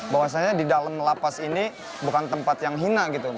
bahwasannya di dalam lapas ini bukan tempat yang hina gitu